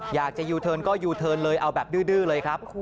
ยูเทิร์นก็ยูเทิร์นเลยเอาแบบดื้อเลยครับ